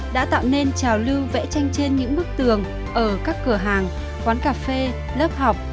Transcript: đã tạo nên trào lưu vẽ tranh trên những bức tường ở các cửa hàng quán cà phê lớp học